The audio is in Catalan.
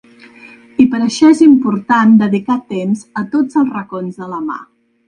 I per això és important dedicar temps a tots els racons de la mà.